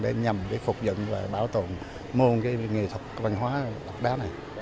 để nhằm phục vụ và bảo tồn môn nghệ thuật văn hóa đặc đá này